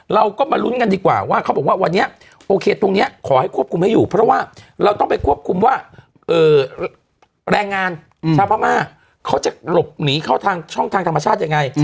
เราก็มาลุ้นกันดีกว่าว่าเขาบอกว่าวันนี้โอเคตรงนี้ขอให้ควบคุมให้อยู่เพราะว่าเราต้องไปควบคุมว่าแรงงานชาวพม่าเขาจะหลบหนีเข้าทางช่องทางธรรมชาติยังไง